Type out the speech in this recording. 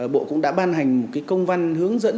bộ cũng đã ban hành một công văn hướng dẫn